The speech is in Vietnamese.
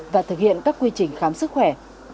và thực hiện các quy trình khám sức khỏe